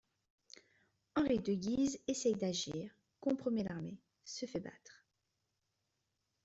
Henri de Guise essaye d'agir, compromet l'armée, se fait battre.